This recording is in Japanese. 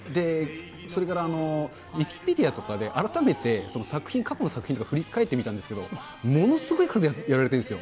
それからウィキペディアとかで改めて作品、過去の作品とか振り返ってみたんですけど、ものすごい数やられているんですよ。